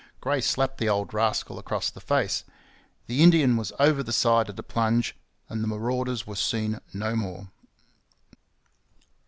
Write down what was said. Gray slapped the old rascal across the face; the Indian was over the side at a plunge, and the marauders were seen no more.